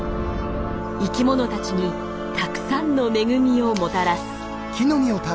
生きものたちにたくさんの恵みをもたらす。